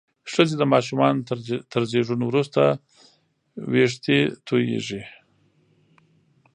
ښځې د ماشومانو تر زیږون وروسته وېښتې تویېږي.